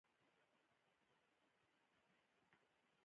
دین تجدید درک نوي کولو معنا لري.